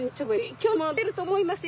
今日も出てると思いますよ